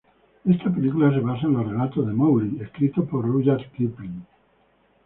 Esta película se basa en los relatos de "Mowgli", escritos por Rudyard Kipling.